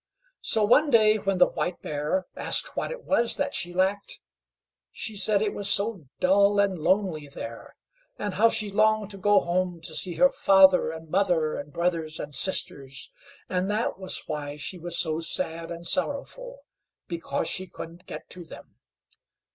So one day, when the White Bear asked what it was that she lacked, she said it was so dull and lonely there, and how she longed to go home to see her father and mother and brothers and sisters, and that was why she was so sad and sorrowful, because she couldn't get to them.